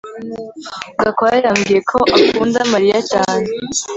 Gakwaya yambwiye ko akunda Mariya cyane